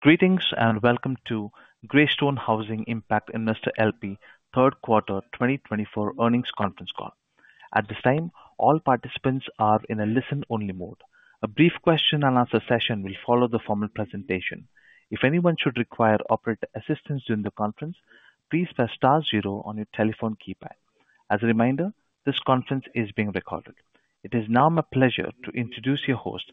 Greetings and welcome to Greystone Housing Impact Investors LP Third Quarter 2024 Earnings Conference Call. At this time, all participants are in a listen-only mode. A brief Q&A will follow the formal presentation. If anyone should require operator assistance during the conference, please press *0 on your telephone keypad. As a reminder, this conference is being recorded. It is now my pleasure to introduce your host,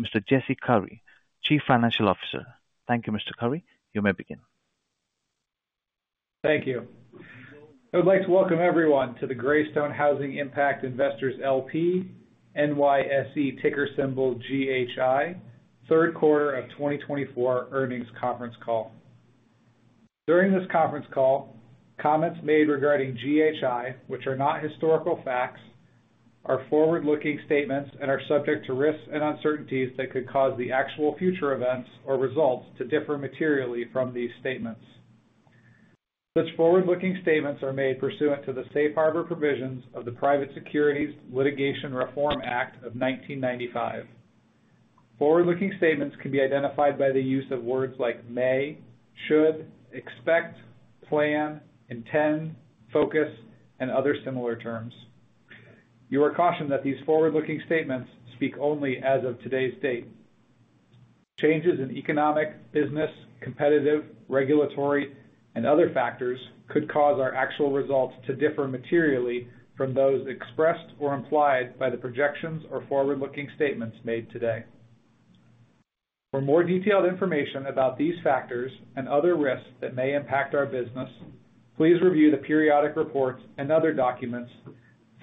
Mr. Jesse Coury, Chief Financial Officer. Thank you, Mr. Coury. You may begin. Thank you. I would like to welcome everyone to the Greystone Housing Impact Investors LP NYSE GHI Third Quarter 2024 Earnings Conference Call. During this conference call, comments made regarding GHI, which are not historical facts, are forward-looking statements and are subject to risks and uncertainties that could cause the actual future events or results to differ materially from these statements. Such forward-looking statements are made pursuant to the safe harbor provisions of the Private Securities Litigation Reform Act of 1995. Forward-looking statements can be identified by the use of words like may, should, expect, plan, intend, focus, and other similar terms. You are cautioned that these forward-looking statements speak only as of today's date. Changes in economic, business, competitive, regulatory, and other factors could cause our actual results to differ materially from those expressed or implied by the projections or forward-looking statements made today. For more detailed information about these factors and other risks that may impact our business, please review the periodic reports and other documents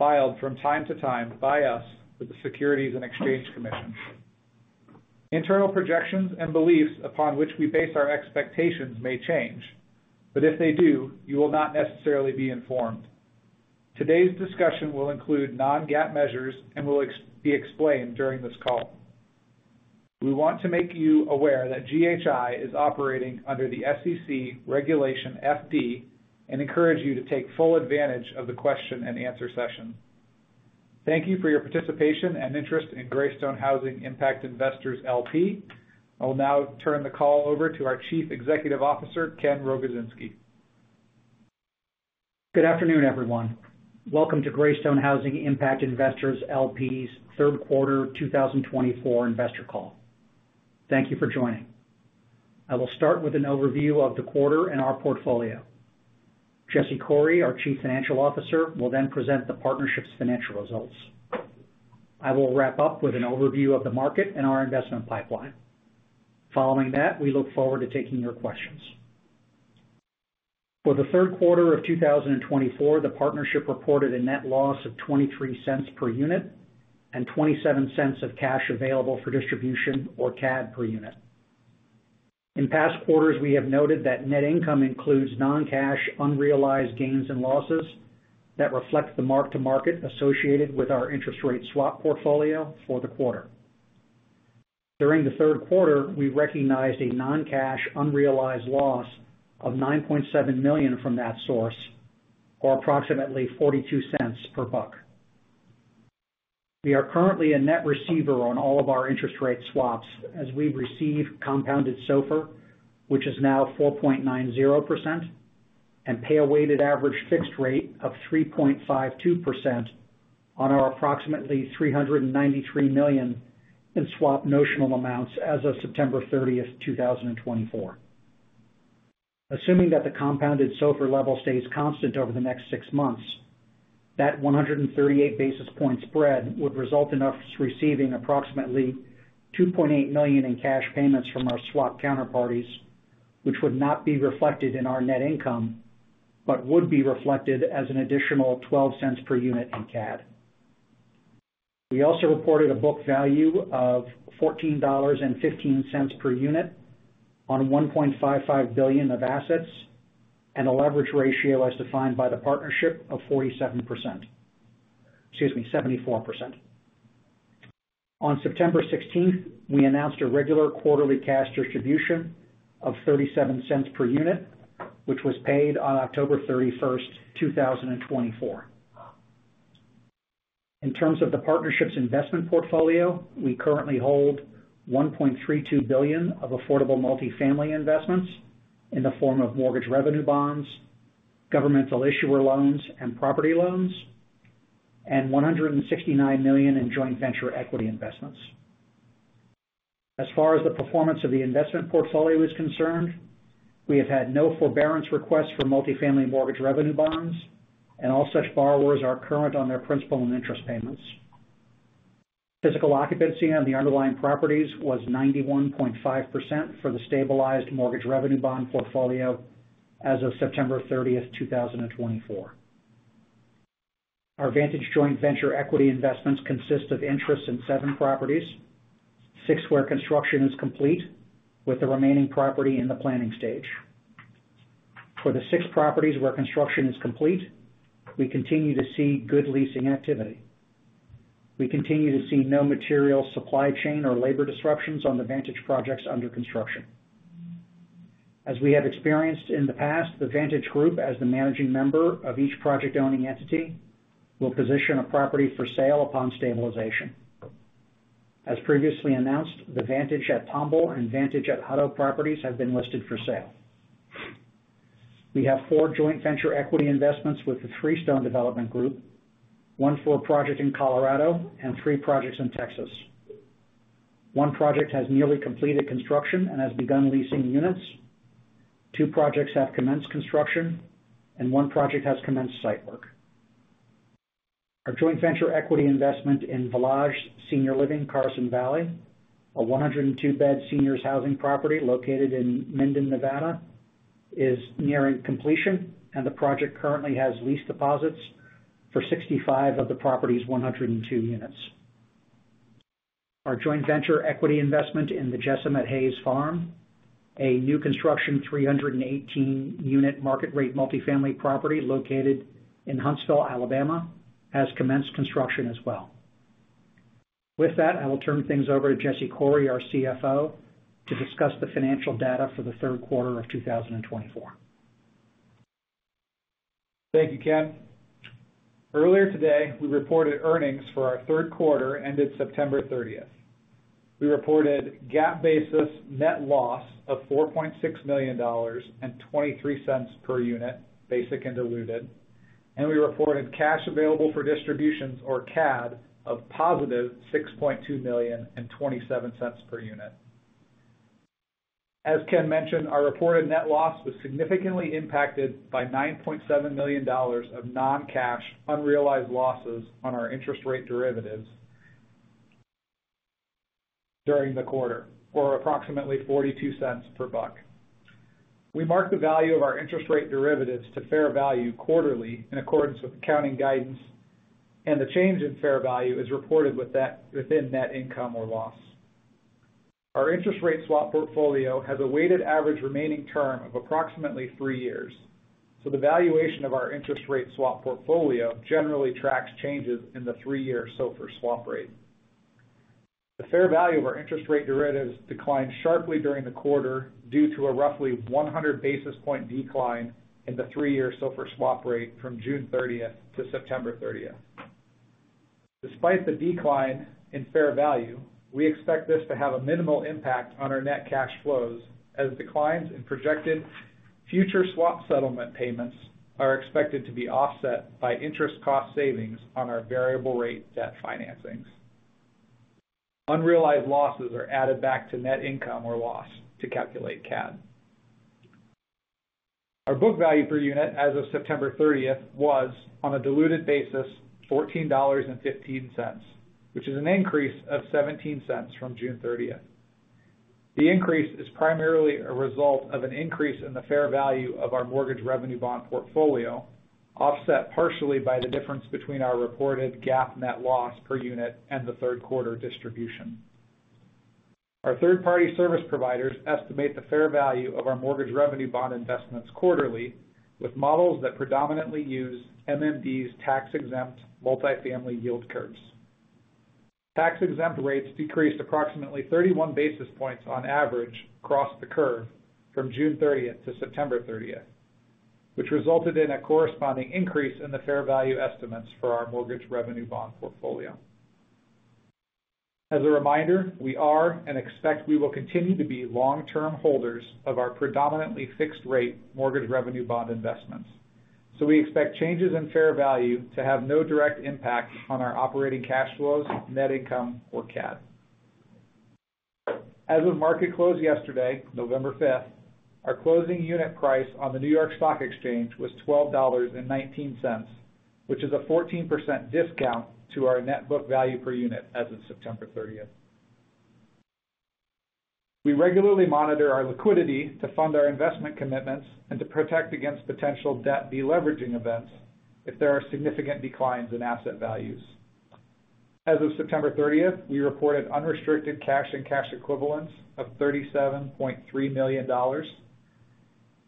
filed from time to time by us with the Securities and Exchange Commission. Internal projections and beliefs upon which we base our expectations may change, but if they do, you will not necessarily be informed. Today's discussion will include non-GAAP measures and will be explained during this call. We want to make you aware that GHI is operating under the SEC Regulation FD and encourage you to take full advantage of the Q&A session. Thank you for your participation and interest in Greystone Housing Impact Investors LP. I will now turn the call over to our Chief Executive Officer, Ken Rogozinski. Good afternoon, everyone. Welcome to Greystone Housing Impact Investors LP's Q3 2024 Investor Call. Thank you for joining. I will start with an overview of the quarter and our portfolio. Jesse Coury, our Chief Financial Officer, will then present the partnership's financial results. I will wrap up with an overview of the market and our investment pipeline. Following that, we look forward to taking your questions. For the third quarter of 2024, the partnership reported a net loss of $0.23 per unit and $0.27 of cash available for distribution or CAD per unit. In past quarters, we have noted that net income includes non-cash unrealized gains and losses that reflect the mark-to-market associated with our interest rate swap portfolio for the quarter. During the third quarter, we recognized a non-cash unrealized loss of $9.7 million from that source, or approximately $0.42 per BUC. We are currently a net receiver on all of our interest rate swaps as we receive compounded SOFR, which is now 4.90%, and pay a weighted average fixed rate of 3.52% on our approximately $393 million in swap notional amounts as of September 30, 2024. Assuming that the compounded SOFR level stays constant over the next six months, that 138 basis point spread would result in us receiving approximately $2.8 million in cash payments from our swap counterparties, which would not be reflected in our net income but would be reflected as an additional $0.12 per unit in CAD. We also reported a book value of $14.15 per unit on $1.55 billion of assets and a leverage ratio as defined by the partnership of 47%. Excuse me, 74%. On September 16, we announced a regular quarterly cash distribution of $0.37 per unit, which was paid on October 31, 2024. In terms of the partnership's investment portfolio, we currently hold $1.32 billion of affordable multifamily investments in the form of mortgage revenue bonds, governmental issuer loans, and property loans, and $169 million in joint venture equity investments. As far as the performance of the investment portfolio is concerned, we have had no forbearance requests for multifamily mortgage revenue bonds, and all such borrowers are current on their principal and interest payments. Physical occupancy on the underlying properties was 91.5% for the stabilized mortgage revenue bond portfolio as of September 30, 2024. Our Vantage joint venture equity investments consist of interests in seven properties. Six, where construction is complete, with the remaining property in the planning stage. For the six properties where construction is complete, we continue to see good leasing activity. We continue to see no material supply chain or labor disruptions on the Vantage projects under construction. As we have experienced in the past, the Vantage Group, as the managing member of each project-owning entity, will position a property for sale upon stabilization. As previously announced, the Vantage at Tomball and Vantage at Hutto properties have been listed for sale. We have four joint venture equity investments with the Freestone Development Group, one for a project in Colorado, and three projects in Texas. One project has nearly completed construction and has begun leasing units. Two projects have commenced construction, and one project has commenced site work. Our joint venture equity investment in Valage Senior Living Carson Valley, a 102-bed seniors' housing property located in Minden, Nevada, is nearing completion, and the project currently has lease deposits for 65 of the property's 102 units. Our joint venture equity investment in The Jessam at Hays Farm, a new construction 318-unit market-rate multifamily property located in Huntsville, Alabama, has commenced construction as well. With that, I will turn things over to Jesse Coury, our CFO, to discuss the financial data for the third quarter of 2024. Thank you, Ken. Earlier today, we reported earnings for the third quarter ended September 30. We reported GAAP basis net loss of $4.6 million and $0.23 per unit, basic and diluted, and we reported cash available for distributions, or CAD, of positive $6.2 million and $0.27 per unit. As Ken mentioned, our reported net loss was significantly impacted by $9.7 million of non-cash unrealized losses on our interest rate derivatives during the quarter, or approximately $0.42 per BUC. We marked the value of our interest rate derivatives to fair value quarterly in accordance with accounting guidance, and the change in fair value is reported within net income or loss. Our interest rate swap portfolio has a weighted average remaining term of approximately three years, so the valuation of our interest rate swap portfolio generally tracks changes in the three-year SOFR swap rate. The fair value of our interest rate derivatives declined sharply during the quarter due to a roughly 100 basis point decline in the three-year SOFR swap rate from June 30 to September 30. Despite the decline in fair value, we expect this to have a minimal impact on our net cash flows as declines in projected future swap settlement payments are expected to be offset by interest cost savings on our variable-rate debt financings. Unrealized losses are added back to net income or loss to calculate CAD. Our book value per unit as of September 30 was, on a diluted basis, $14.15, which is an increase of $0.17 from June 30. The increase is primarily a result of an increase in the fair value of our mortgage revenue bond portfolio, offset partially by the difference between our reported GAAP net loss per unit and the third quarter distribution. Our third-party service providers estimate the fair value of our mortgage revenue bond investments quarterly with models that predominantly use MMD's tax-exempt multifamily yield curves. Tax-exempt rates decreased approximately 31 basis points on average across the curve from June 30 to September 30, which resulted in a corresponding increase in the fair value estimates for our mortgage revenue bond portfolio. As a reminder, we are and expect we will continue to be long-term holders of our predominantly fixed-rate mortgage revenue bond investments, so we expect changes in fair value to have no direct impact on our operating cash flows, net income, or CAD. As of market close yesterday, November 5, our closing unit price on the New York Stock Exchange was $12.19, which is a 14% discount to our net book value per unit as of September 30. We regularly monitor our liquidity to fund our investment commitments and to protect against potential debt deleveraging events if there are significant declines in asset values. As of September 30, we reported unrestricted cash and cash equivalents of $37.3 million.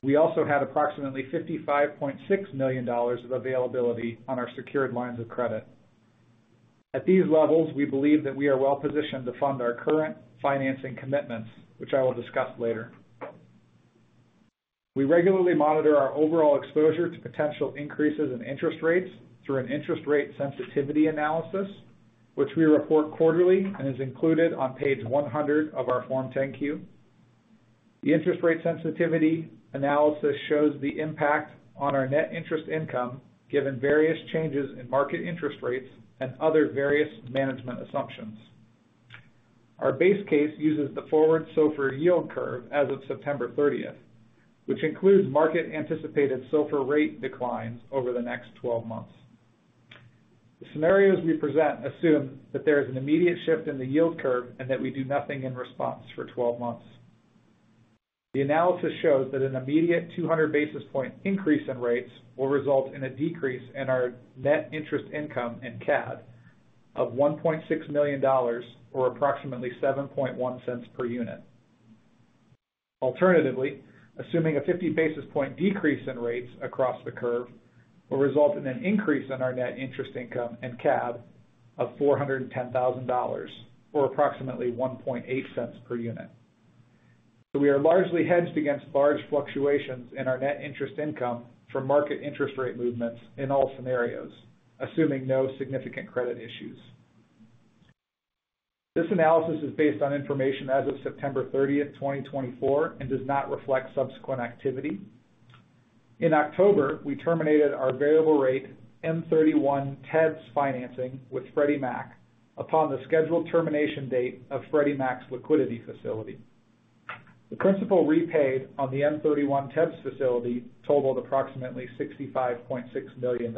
We also had approximately $55.6 million of availability on our secured lines of credit. At these levels, we believe that we are well-positioned to fund our current financing commitments, which I will discuss later. We regularly monitor our overall exposure to potential increases in interest rates through an interest rate sensitivity analysis, which we report quarterly and is included on page 100 of our Form 10-Q. The interest rate sensitivity analysis shows the impact on our net interest income given various changes in market interest rates and other various management assumptions. Our base case uses the forward SOFR yield curve as of September 30, which includes market-anticipated SOFR rate declines over the next 12 months. The scenarios we present assume that there is an immediate shift in the yield curve and that we do nothing in response for 12 months. The analysis shows that an immediate 200 basis point increase in rates will result in a decrease in our net interest income in CAD of $1.6 million, or approximately $0.07 per unit. Alternatively, assuming a 50 basis point decrease in rates across the curve will result in an increase in our net interest income in CAD of $410,000, or approximately $1.08 per unit. So we are largely hedged against large fluctuations in our net interest income from market interest rate movements in all scenarios, assuming no significant credit issues. This analysis is based on information as of September 30, 2024, and does not reflect subsequent activity. In October, we terminated our variable-rate M31 TEBS financing with Freddie Mac upon the scheduled termination date of Freddie Mac's liquidity facility. The principal repaid on the M31 TEBS facility totaled approximately $65.6 million.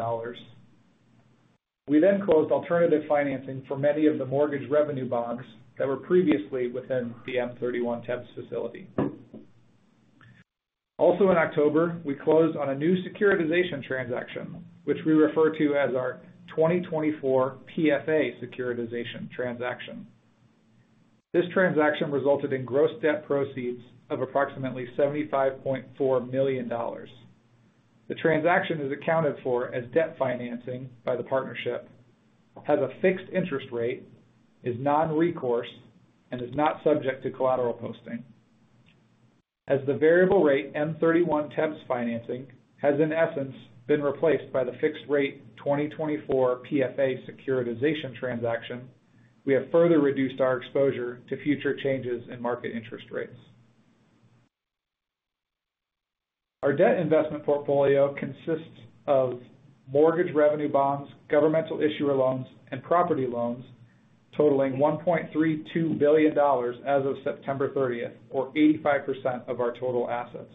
We then closed alternative financing for many of the mortgage revenue bonds that were previously within the M31 TEBS facility. Also in October, we closed on a new securitization transaction, which we refer to as our 2024 PFA Securitization transaction. This transaction resulted in gross debt proceeds of approximately $75.4 million. The transaction is accounted for as debt financing by the partnership, has a fixed interest rate, is non-recourse, and is not subject to collateral posting. As the variable-rate M31 TEBS financing has in essence been replaced by the fixed-rate 2024 PFA securitization transaction, we have further reduced our exposure to future changes in market interest rates. Our debt investment portfolio consists of mortgage revenue bonds, governmental issuer loans, and property loans totaling $1.32 billion as of September 30, or 85% of our total assets.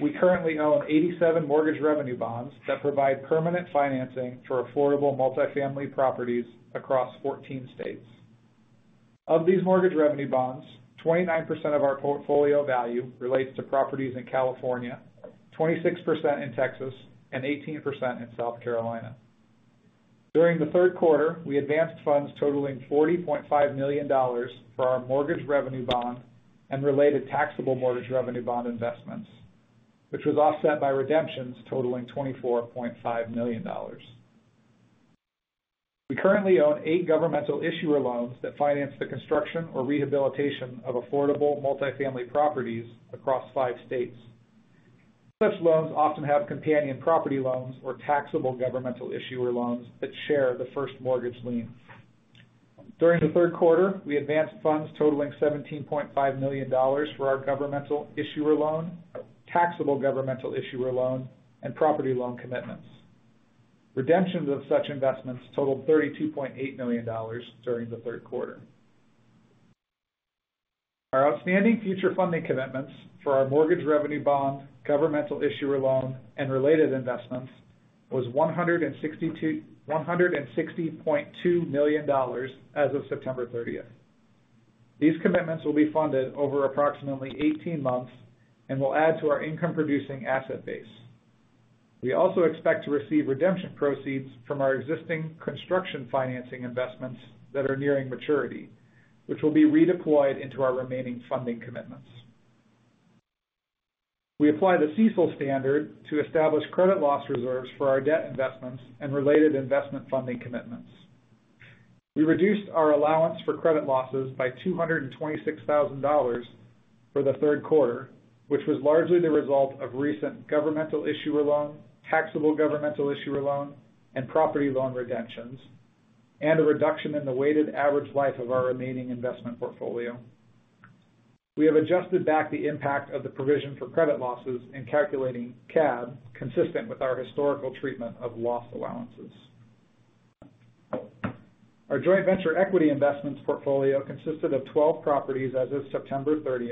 We currently own 87 mortgage revenue bonds that provide permanent financing for affordable multifamily properties across 14 states. Of these mortgage revenue bonds, 29% of our portfolio value relates to properties in California, 26% in Texas, and 18% in South Carolina. During the third quarter, we advanced funds totaling $40.5 million for our mortgage revenue bond and related taxable mortgage revenue bond investments, which was offset by redemptions totaling $24.5 million. We currently own eight governmental issuer loans that finance the construction or rehabilitation of affordable multifamily properties across five states. Such loans often have companion property loans or taxable governmental issuer loans that share the first mortgage lien. During the third quarter, we advanced funds totaling $17.5 million for our governmental issuer loan, taxable governmental issuer loan, and property loan commitments. Redemptions of such investments totaled $32.8 million during the third quarter. Our outstanding future funding commitments for our mortgage revenue bond, governmental issuer loan, and related investments was $160.2 million as of September 30. These commitments will be funded over approximately 18 months and will add to our income-producing asset base. We also expect to receive redemption proceeds from our existing construction financing investments that are nearing maturity, which will be redeployed into our remaining funding commitments. We apply the CECL standard to establish credit loss reserves for our debt investments and related investment funding commitments. We reduced our allowance for credit losses by $226,000 for the third quarter, which was largely the result of recent governmental issuer loan, taxable governmental issuer loan, and property loan redemptions, and a reduction in the weighted average life of our remaining investment portfolio. We have adjusted back the impact of the provision for credit losses in calculating CAD, consistent with our historical treatment of loss allowances. Our joint venture equity investments portfolio consisted of 12 properties as of September 30,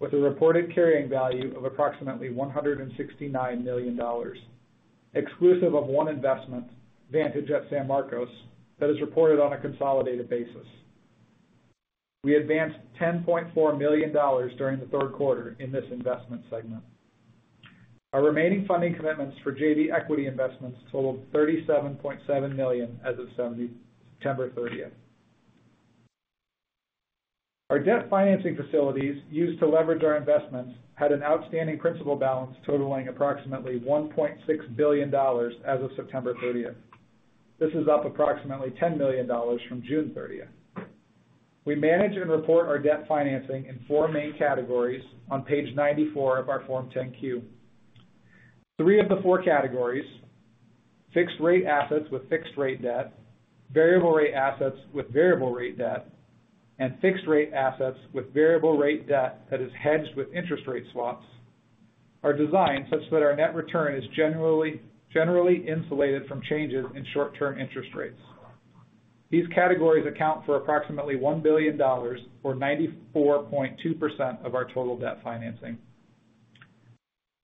with a reported carrying value of approximately $169 million, exclusive of one investment, Vantage at San Marcos, that is reported on a consolidated basis. We advanced $10.4 million during the third quarter in this investment segment. Our remaining funding commitments for JV Equity Investments totaled $37.7 million as of September 30. Our debt financing facilities used to leverage our investments had an outstanding principal balance totaling approximately $1.6 billion as of September 30. This is up approximately $10 million from June 30. We manage and report our debt financing in four main categories on page 94 of our Form 10-Q. Three of the four categories (fixed-rate assets with fixed-rate debt, variable-rate assets with variable-rate debt, and fixed-rate assets with variable-rate debt that is hedged with interest rate swaps) are designed such that our net return is generally insulated from changes in short-term interest rates. These categories account for approximately $1 billion, or 94.2% of our total debt financing.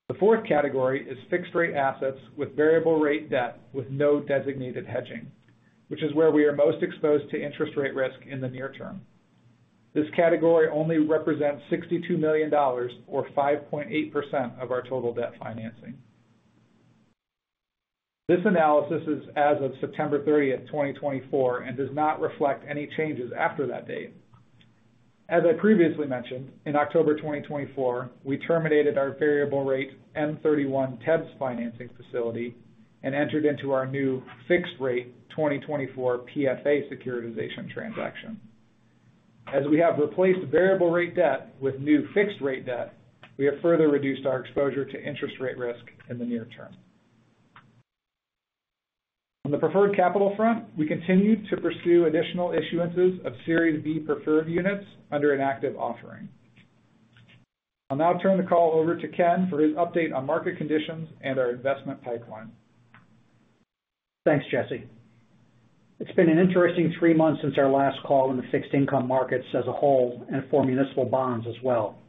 The fourth category is fixed-rate assets with variable-rate debt with no designated hedging, which is where we are most exposed to interest rate risk in the near term. This category only represents $62 million, or 5.8% of our total debt financing. This analysis is as of September 30, 2024, and does not reflect any changes after that date. As I previously mentioned, in October 2024, we terminated our variable-rate M31 TEBS financing facility and entered into our new fixed-rate 2024 PFA securitization transaction. As we have replaced variable-rate debt with new fixed-rate debt, we have further reduced our exposure to interest rate risk in the near term. On the preferred capital front, we continue to pursue additional issuances of Series B preferred units under an active offering. I'll now turn the call over to Ken for his update on market conditions and our investment pipeline. Thanks, Jesse. It's been an interesting three months since our last call in the fixed-income markets as a whole and for municipal bonds as well.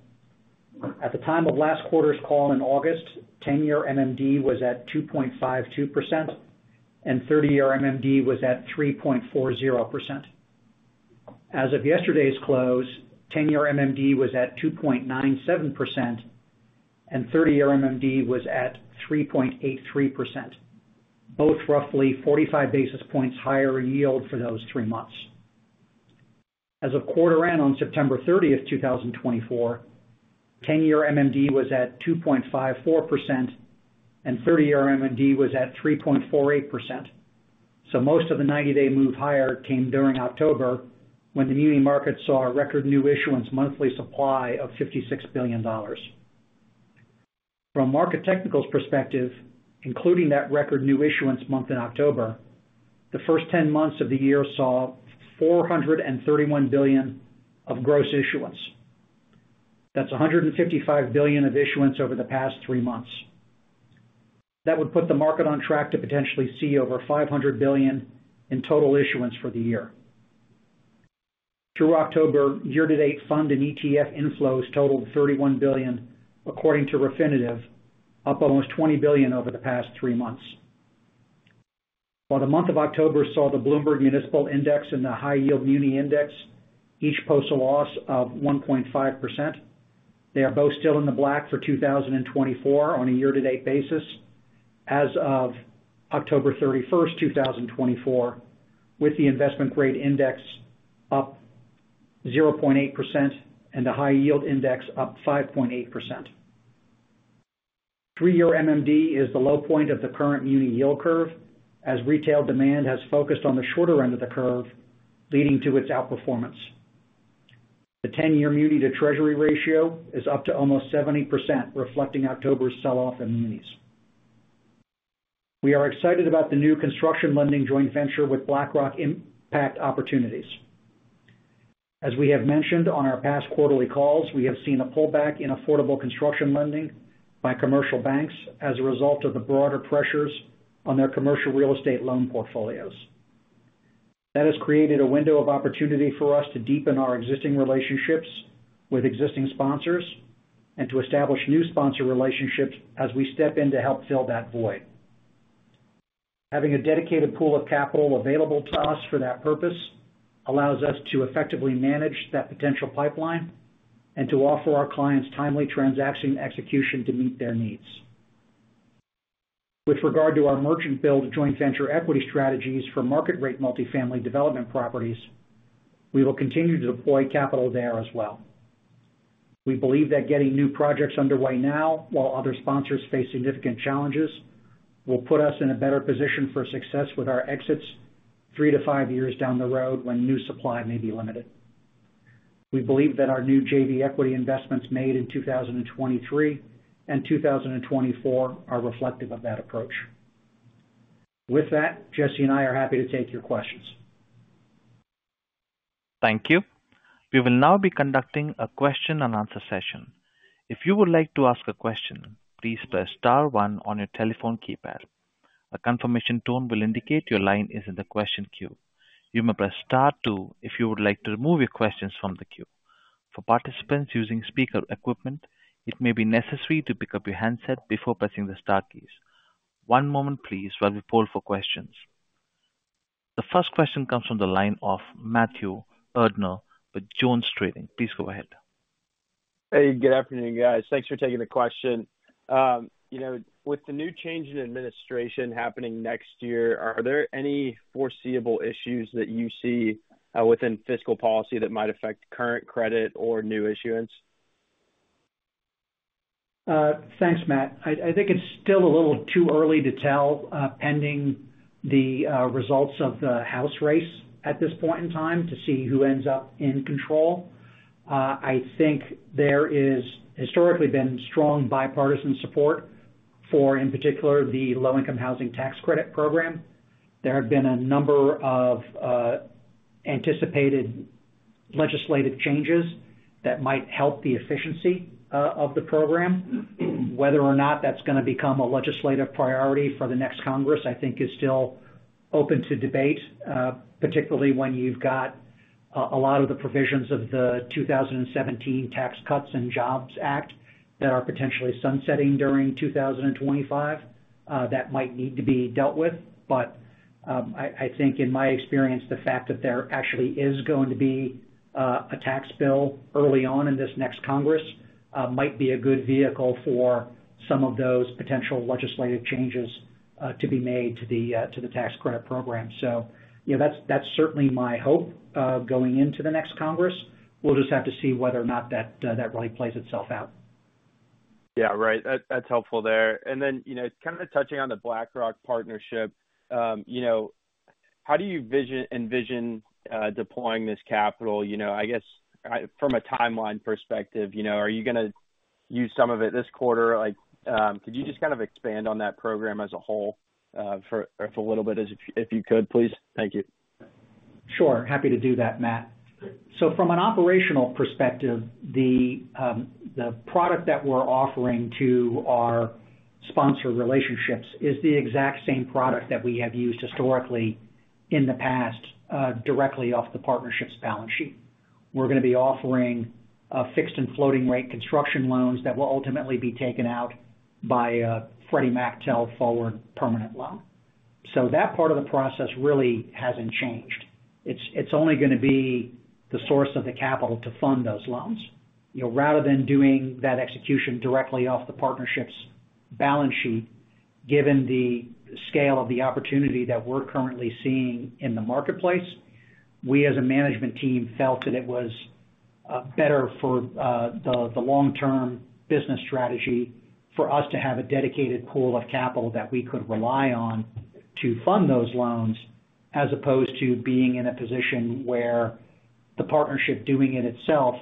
At the time of last quarter's call in August, 10-year MMD was at 2.52%, and 30-year MMD was at 3.40%. As of yesterday's close, 10-year MMD was at 2.97%, and 30-year MMD was at 3.83%, both roughly 45 basis points higher yield for those three months. As of quarter end on September 30, 2024, 10-year MMD was at 2.54%, and 30-year MMD was at 3.48%. So most of the 90-day move higher came during October when the muni market saw a record new issuance monthly supply of $56 billion. From a market technicals perspective, including that record new issuance month in October, the first 10 months of the year saw $431 billion of gross issuance. That's $155 billion of issuance over the past three months. That would put the market on track to potentially see over $500 billion in total issuance for the year. Through October, year-to-date fund and ETF inflows totaled $31 billion, according to Refinitiv, up almost $20 billion over the past three months. While the month of October saw the Bloomberg Municipal Index and the High Yield Muni Index each post a loss of 1.5%, they are both still in the black for 2024 on a year-to-date basis as of October 31, 2024, with the investment-grade index up 0.8% and the high-yield index up 5.8%. Three-year MMD is the low point of the current muni yield curve, as retail demand has focused on the shorter end of the curve, leading to its outperformance. The 10-year muni-to-treasury ratio is up to almost 70%, reflecting October's sell-off in munis. We are excited about the new construction lending joint venture with BlackRock Impact Opportunities. As we have mentioned on our past quarterly calls, we have seen a pullback in affordable construction lending by commercial banks as a result of the broader pressures on their commercial real estate loan portfolios. That has created a window of opportunity for us to deepen our existing relationships with existing sponsors and to establish new sponsor relationships as we step in to help fill that void. Having a dedicated pool of capital available to us for that purpose allows us to effectively manage that potential pipeline and to offer our clients timely transaction execution to meet their needs. With regard to our merchant-built joint venture equity strategies for market-rate multifamily development properties, we will continue to deploy capital there as well. We believe that getting new projects underway now, while other sponsors face significant challenges, will put us in a better position for success with our exits three to five years down the road when new supply may be limited. We believe that our new JV Equity investments made in 2023 and 2024 are reflective of that approach. With that, Jesse and I are happy to take your questions. Thank you. We will now be conducting a question-and-answer session. If you would like to ask a question, please press Star 1 on your telephone keypad. A confirmation tone will indicate your line is in the question queue. You may press Star 2 if you would like to remove your questions from the queue. For participants using speaker equipment, it may be necessary to pick up your handset before pressing the Star keys. One moment, please, while we poll for questions. The first question comes from the line of Matthew Erdner with JonesTrading. Please go ahead. Hey, good afternoon, guys. Thanks for taking the question. With the new change in administration happening next year, are there any foreseeable issues that you see within fiscal policy that might affect current credit or new issuance? Thanks, Matt. I think it's still a little too early to tell pending the results of the House race at this point in time to see who ends up in control. I think there has historically been strong bipartisan support for, in particular, the low-income housing tax credit program. There have been a number of anticipated legislative changes that might help the efficiency of the program. Whether or not that's going to become a legislative priority for the next Congress, I think, is still open to debate, particularly when you've got a lot of the provisions of the 2017 Tax Cuts and Jobs Act that are potentially sunsetting during 2025 that might need to be dealt with. But I think, in my experience, the fact that there actually is going to be a tax bill early on in this next Congress might be a good vehicle for some of those potential legislative changes to be made to the tax credit program. So that's certainly my hope going into the next Congress. We'll just have to see whether or not that really plays itself out. Yeah, right. That's helpful there. And then kind of touching on the BlackRock partnership, how do you envision deploying this capital? I guess from a timeline perspective, are you going to use some of it this quarter? Could you just kind of expand on that program as a whole for a little bit, if you could, please? Thank you. Sure. Happy to do that, Matt. So from an operational perspective, the product that we're offering to our sponsor relationships is the exact same product that we have used historically in the past directly off the partnership's balance sheet. We're going to be offering fixed and floating-rate construction loans that will ultimately be taken out by a Freddie Mac TEL forward permanent loan. So that part of the process really hasn't changed. It's only going to be the source of the capital to fund those loans. Rather than doing that execution directly off the partnership's balance sheet, given the scale of the opportunity that we're currently seeing in the marketplace, we as a management team felt that it was better for the long-term business strategy for us to have a dedicated pool of capital that we could rely on to fund those loans as opposed to being in a position where the partnership doing it itself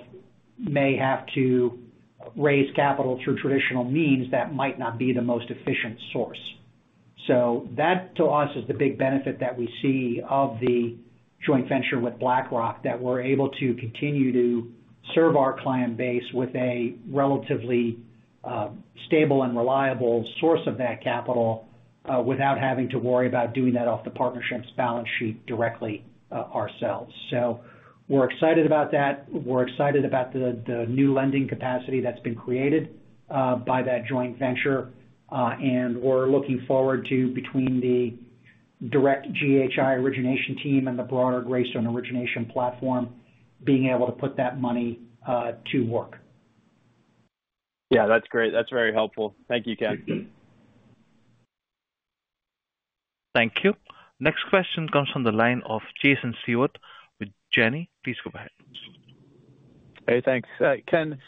may have to raise capital through traditional means that might not be the most efficient source. So that, to us, is the big benefit that we see of the joint venture with BlackRock, that we're able to continue to serve our client base with a relatively stable and reliable source of that capital without having to worry about doing that off the partnership's balance sheet directly ourselves. So we're excited about that. We're excited about the new lending capacity that's been created by that joint venture. We're looking forward to, between the direct GHI origination team and the broader Greystone origination platform, being able to put that money to work. Yeah, that's great. That's very helpful. Thank you, Ken. Thank you. Next question comes from the line of Jason Stewart with Janney. Please go ahead. Hey, thanks. Ken,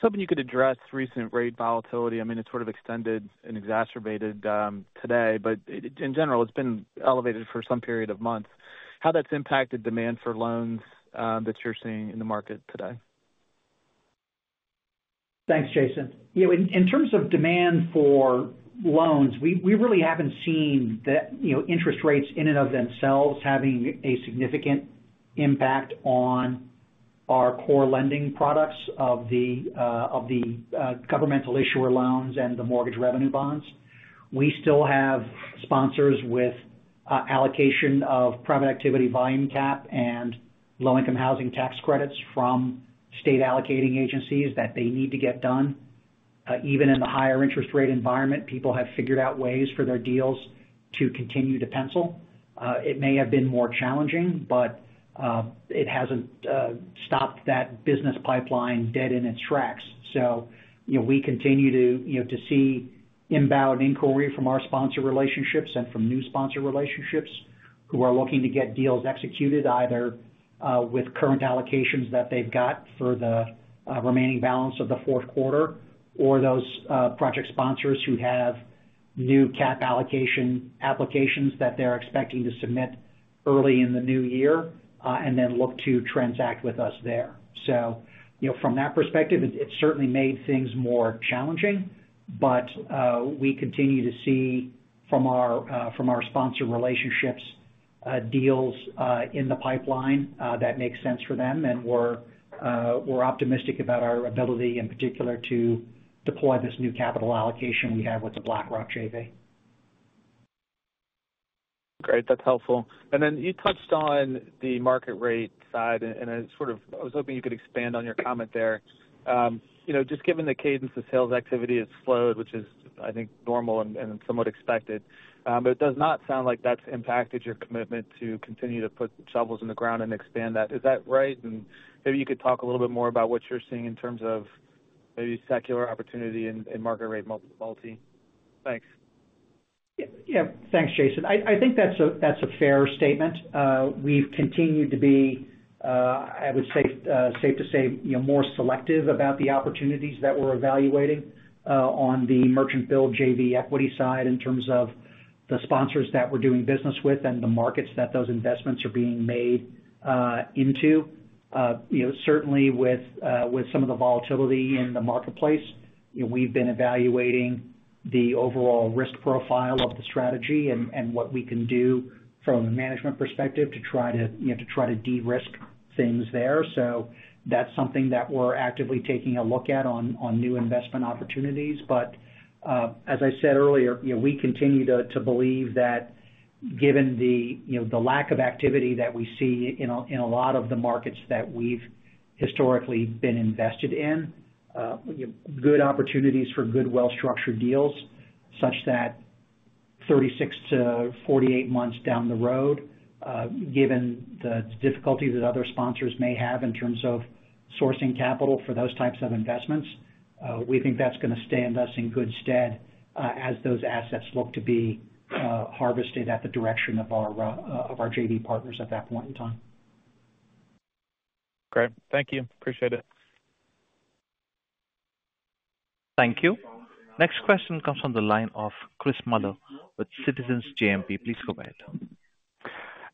something you could address: recent rate volatility. I mean, it's sort of extended and exacerbated today, but in general, it's been elevated for some period of months. How that's impacted demand for loans that you're seeing in the market today? Thanks, Jason. In terms of demand for loans, we really haven't seen interest rates in and of themselves having a significant impact on our core lending products of the governmental issuer loans and the mortgage revenue bonds. We still have sponsors with allocation of private activity volume cap and low-income housing tax credits from state allocating agencies that they need to get done. Even in the higher interest rate environment, people have figured out ways for their deals to continue to pencil. It may have been more challenging, but it hasn't stopped that business pipeline dead in its tracks. So we continue to see inbound inquiry from our sponsor relationships and from new sponsor relationships who are looking to get deals executed, either with current allocations that they've got for the remaining balance of the fourth quarter or those project sponsors who have new cap allocation applications that they're expecting to submit early in the new year and then look to transact with us there. So from that perspective, it's certainly made things more challenging, but we continue to see from our sponsor relationships deals in the pipeline that make sense for them. And we're optimistic about our ability, in particular, to deploy this new capital allocation we have with the BlackRock JV. Great. That's helpful. And then you touched on the market rate side, and I was hoping you could expand on your comment there. Just given the cadence of sales activity has slowed, which is, I think, normal and somewhat expected, it does not sound like that's impacted your commitment to continue to put shovels in the ground and expand that. Is that right? And maybe you could talk a little bit more about what you're seeing in terms of maybe secular opportunity and market rate multiple. Thanks. Yeah. Thanks, Jason. I think that's a fair statement. We've continued to be, I would say, safe to say, more selective about the opportunities that we're evaluating on the merchant-built JV equity side in terms of the sponsors that we're doing business with and the markets that those investments are being made into. Certainly, with some of the volatility in the marketplace, we've been evaluating the overall risk profile of the strategy and what we can do from a management perspective to try to de-risk things there. So that's something that we're actively taking a look at on new investment opportunities. But as I said earlier, we continue to believe that given the lack of activity that we see in a lot of the markets that we've historically been invested in, good opportunities for good, well-structured deals such that 36-48 months down the road, given the difficulties that other sponsors may have in terms of sourcing capital for those types of investments, we think that's going to stand us in good stead as those assets look to be harvested at the direction of our JV partners at that point in time. Great. Thank you. Appreciate it. Thank you. Next question comes from the line of Chris Muller with Citizens JMP. Please go ahead.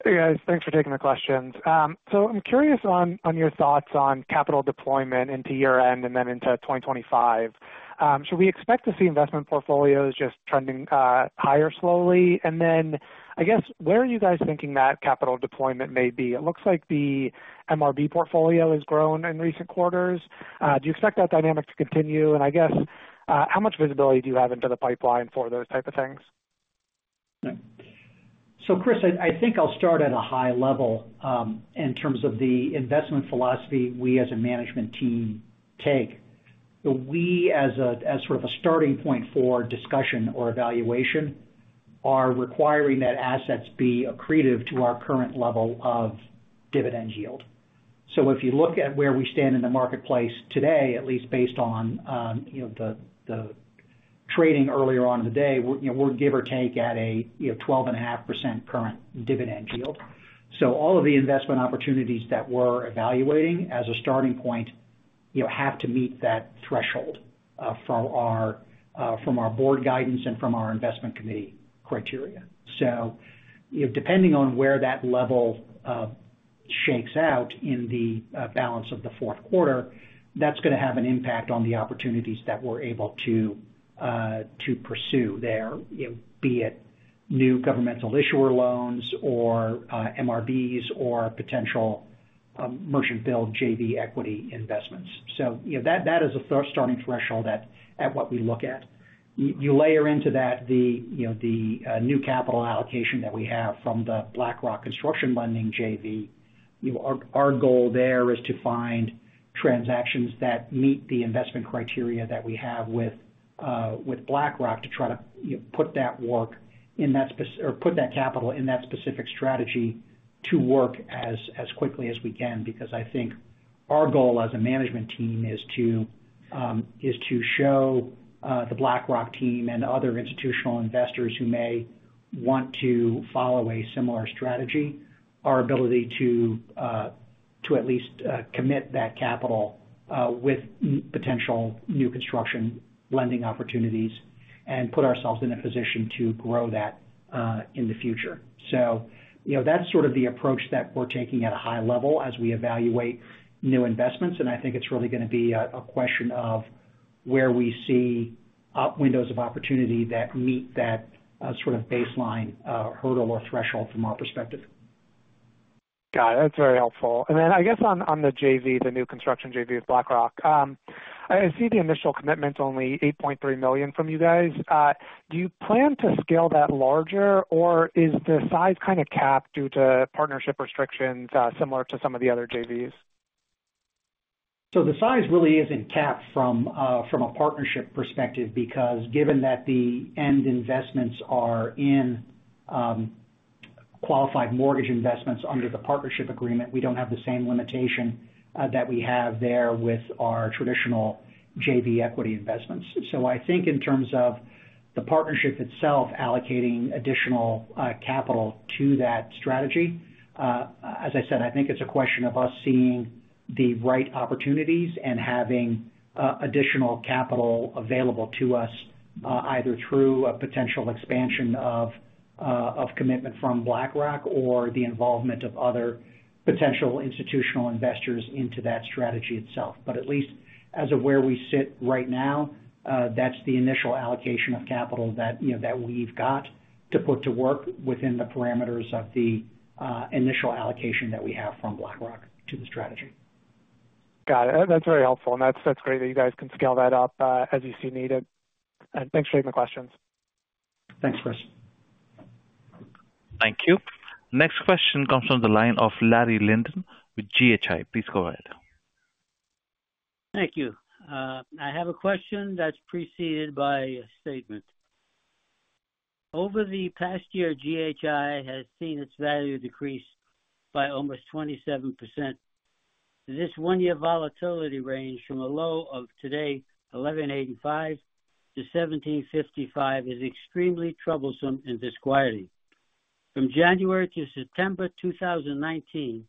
Hey, guys. Thanks for taking the questions. So I'm curious on your thoughts on capital deployment into year-end and then into 2025. Should we expect to see investment portfolios just trending higher slowly? And then, I guess, where are you guys thinking that capital deployment may be? It looks like the MRB portfolio has grown in recent quarters. Do you expect that dynamic to continue? And I guess, how much visibility do you have into the pipeline for those types of things? So, Chris, I think I'll start at a high level in terms of the investment philosophy we as a management team take. We, as sort of a starting point for discussion or evaluation, are requiring that assets be accretive to our current level of dividend yield. So if you look at where we stand in the marketplace today, at least based on the trading earlier on in the day, we're give or take at a 12.5% current dividend yield. All of the investment opportunities that we're evaluating as a starting point have to meet that threshold from our board guidance and from our investment committee criteria. Depending on where that level shakes out in the balance of the fourth quarter, that's going to have an impact on the opportunities that we're able to pursue there, be it new governmental issuer loans or MRBs or potential merchant-built JV equity investments. That is a starting threshold at what we look at. You layer into that the new capital allocation that we have from the BlackRock construction lending JV. Our goal there is to find transactions that meet the investment criteria that we have with BlackRock to try to put that capital to work in that specific strategy as quickly as we can. Because I think our goal as a management team is to show the BlackRock team and other institutional investors who may want to follow a similar strategy our ability to at least commit that capital with potential new construction lending opportunities and put ourselves in a position to grow that in the future. So that's sort of the approach that we're taking at a high level as we evaluate new investments. And I think it's really going to be a question of where we see windows of opportunity that meet that sort of baseline hurdle or threshold from our perspective. Got it. That's very helpful. And then I guess on the JV, the new construction JV with BlackRock, I see the initial commitment's only $8.3 million from you guys. Do you plan to scale that larger, or is the size kind of capped due to partnership restrictions similar to some of the other JVs? So the size really isn't capped from a partnership perspective because given that the end investments are in qualified mortgage investments under the partnership agreement, we don't have the same limitation that we have there with our traditional JV equity investments. So I think in terms of the partnership itself allocating additional capital to that strategy, as I said, I think it's a question of us seeing the right opportunities and having additional capital available to us either through a potential expansion of commitment from BlackRock or the involvement of other potential institutional investors into that strategy itself. But at least as of where we sit right now, that's the initial allocation of capital that we've got to put to work within the parameters of the initial allocation that we have from BlackRock to the strategy. Got it. That's very helpful. And that's great that you guys can scale that up as you see needed. And thanks for taking the questions. Thanks, Chris. Thank you. Next question comes from the line of Larry Linden with GHI. Please go ahead. Thank you. I have a question that's preceded by a statement. Over the past year, GHI has seen its value decrease by almost 27%. This one-year volatility range from a low of today $11.85 to $17.55 is extremely troublesome in this quarter. From January to September 2019,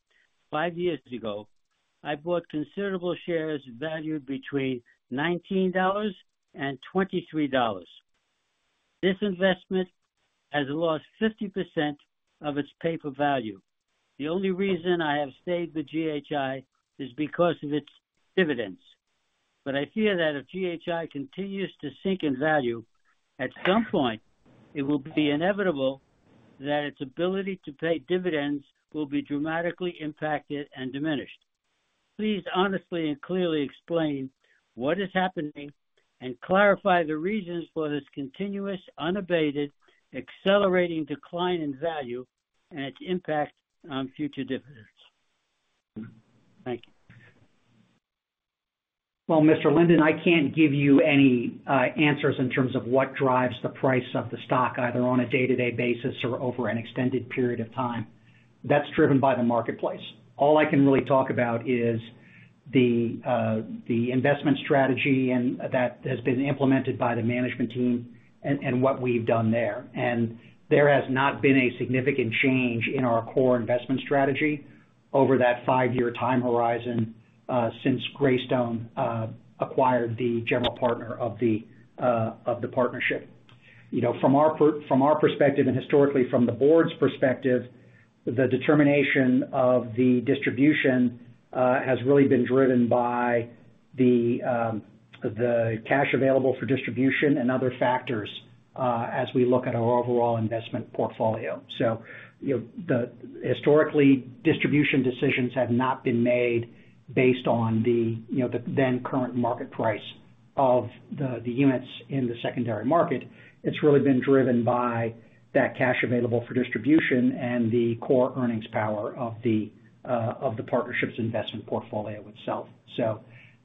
five years ago, I bought considerable shares valued between $19 and $23. This investment has lost 50% of its paper value. The only reason I have stayed with GHI is because of its dividends. But I fear that if GHI continues to sink in value, at some point, it will be inevitable that its ability to pay dividends will be dramatically impacted and diminished. Please honestly and clearly explain what is happening and clarify the reasons for this continuous, unabated, accelerating decline in value and its impact on future dividends. Thank you. Mr. Linden, I can't give you any answers in terms of what drives the price of the stock either on a day-to-day basis or over an extended period of time. That's driven by the marketplace. All I can really talk about is the investment strategy that has been implemented by the management team and what we've done there. There has not been a significant change in our core investment strategy over that five-year time horizon since Greystone acquired the general partner of the partnership. From our perspective and historically from the board's perspective, the determination of the distribution has really been driven by the cash available for distribution and other factors as we look at our overall investment portfolio. Historically, distribution decisions have not been made based on the then current market price of the units in the secondary market. It's really been driven by that cash available for distribution and the core earnings power of the partnership's investment portfolio itself.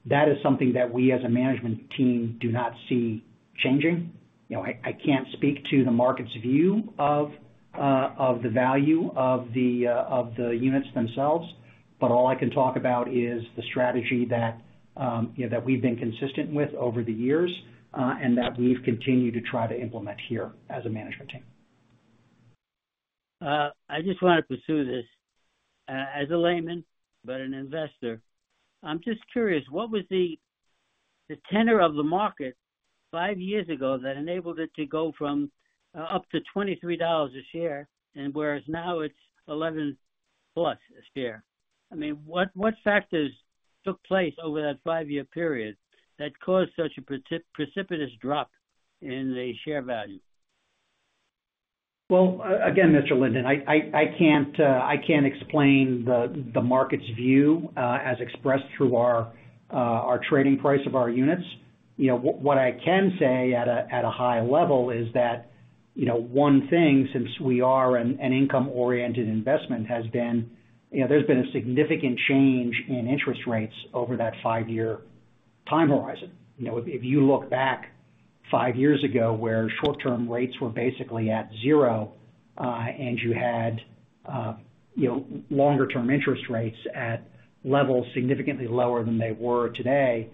That is something that we as a management team do not see changing. I can't speak to the market's view of the value of the units themselves, but all I can talk about is the strategy that we've been consistent with over the years and that we've continued to try to implement here as a management team. I just want to pursue this as a layman but an investor. I'm just curious, what was the tenor of the market five years ago that enabled it to go from up to $23 a share and whereas now it's $11 plus a share? I mean, what factors took place over that five-year period that caused such a precipitous drop in the share value? Well, again, Mr. Linden, I can't explain the market's view as expressed through our trading price of our units. What I can say at a high level is that one thing, since we are an income-oriented investment, has been that there's been a significant change in interest rates over that five-year time horizon. If you look back five years ago where short-term rates were basically at zero and you had longer-term interest rates at levels significantly lower than they were today,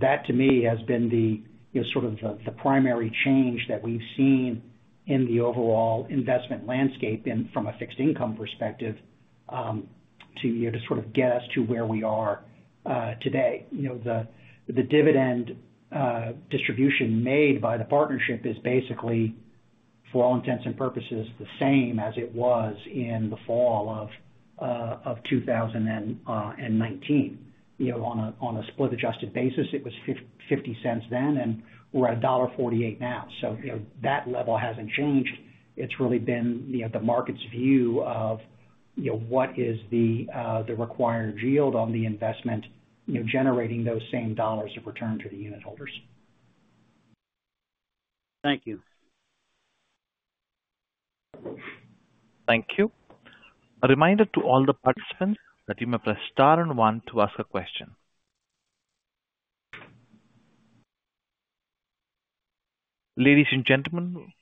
that to me has been sort of the primary change that we've seen in the overall investment landscape from a fixed-income perspective to sort of get us to where we are today. The dividend distribution made by the partnership is basically, for all intents and purposes, the same as it was in the fall of 2019. On a split-adjusted basis, it was $0.50 then, and we're at $1.48 now. So that level hasn't changed. It's really been the market's view of what is the required yield on the investment generating those same dollars of return to the unit holders. Thank you. Thank you. A reminder to all the participants that you may press star and one to ask a question. Ladies and gentlemen,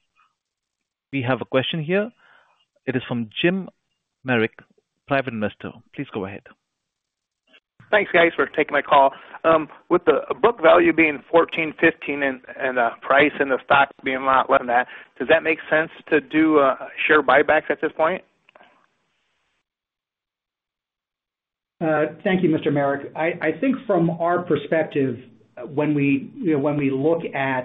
we have a question here. It is from Jim Merrick, private investor. Please go ahead. Thanks, guys, for taking my call. With the book value being $14.15 and the price and the stock being a lot less than that, does that make sense to do share buybacks at this point? Thank you, Mr. Merrick. I think from our perspective, when we look at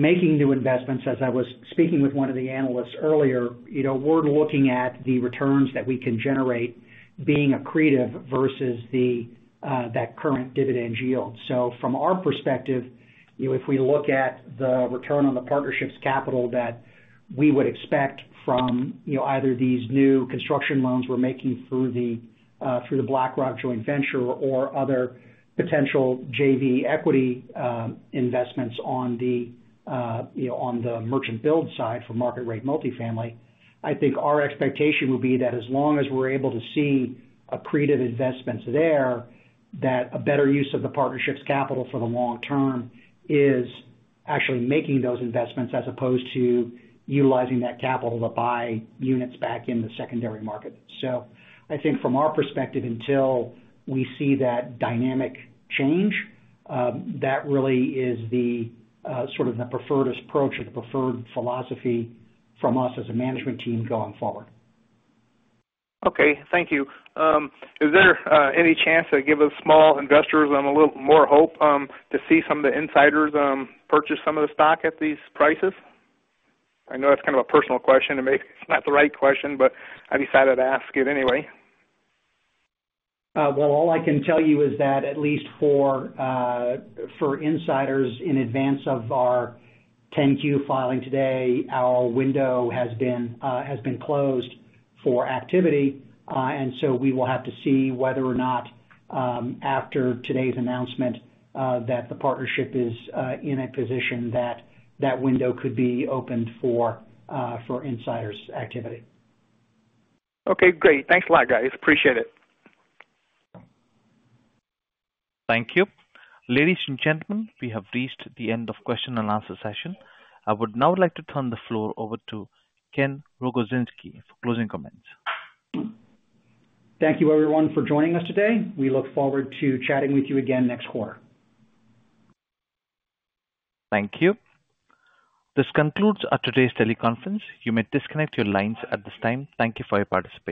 making new investments, as I was speaking with one of the analysts earlier, we're looking at the returns that we can generate being accretive versus that current dividend yield. So from our perspective, if we look at the return on the partnership's capital that we would expect from either these new construction loans we're making through the BlackRock joint venture or other potential JV equity investments on the merchant-build side for market-rate multifamily, I think our expectation would be that as long as we're able to see accretive investments there, that a better use of the partnership's capital for the long term is actually making those investments as opposed to utilizing that capital to buy units back in the secondary market. So I think from our perspective, until we see that dynamic change, that really is sort of the preferred approach or the preferred philosophy from us as a management team going forward. Okay. Thank you. Is there any chance to give us small investors a little more hope to see some of the insiders purchase some of the stock at these prices? I know that's kind of a personal question, and maybe it's not the right question, but I decided to ask it anyway. Well, all I can tell you is that at least for insiders, in advance of our 10-Q filing today, our window has been closed for activity. And so we will have to see whether or not after today's announcement that the partnership is in a position that that window could be opened for insiders' activity. Okay. Great. Thanks a lot, guys. Appreciate it. Thank you. Ladies and gentlemen, we have reached the end of the question and answer session. I would now like to turn the floor over to Ken Rogozinski for closing comments. Thank you, everyone, for joining us today. We look forward to chatting with you again next quarter. Thank you..This concludes our today's teleconference. You may disconnect your lines at this time. Thank you for your participation.